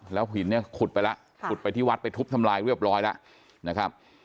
หินเนี่ยขุดไปแล้วขุดไปที่วัดไปทุบทำลายเรียบร้อยแล้วนะครับ